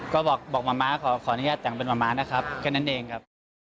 ก็บอกมะม้าขออนุญาตแต่งเป็นมะม้านะครับแค่นั้นเองครับ